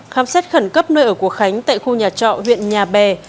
khám xét khẩn cấp nơi ở của khánh tại khu nhà trọ huyện nhà bè